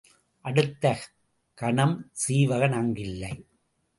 அடுத்த கணம் சீவகன் அங்கு இல்லை.